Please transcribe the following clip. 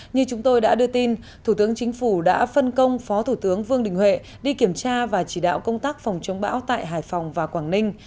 như chúng tôi đã đưa tin thủ tướng chính phủ đã phân công phó thủ tướng vương đình huệ đi kiểm tra và chỉ đạo công tác phòng chống bão tại hải phòng và quảng ninh